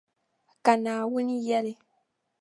Ka Naawuni yεli.